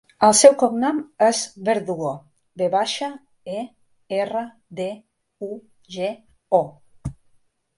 El seu cognom és Verdugo: ve baixa, e, erra, de, u, ge, o.